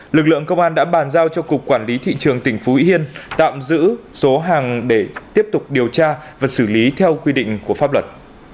lực lượng công an đã bàn giao cho cục quản lý thị trường tỉnh phú yên tạm giữ số hàng để tiếp tục điều tra và xử lý theo quy định của pháp luật